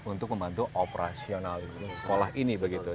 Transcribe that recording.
untuk membantu operasionalis sekolah ini begitu ya